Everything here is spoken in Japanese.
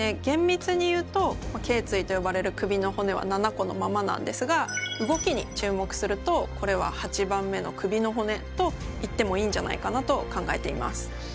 げんみつに言うと頸椎と呼ばれる首の骨は７個のままなんですが動きに注目するとこれは８番目の首の骨と言ってもいいんじゃないかなと考えています。